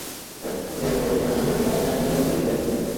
তবে আমি আমেরিকায় তাঁহাদের টাকা তুলিবার কতকগুলি উপায়ের প্রতিবাদ করি।